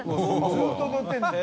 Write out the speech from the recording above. ずっと踊ってるんだよ。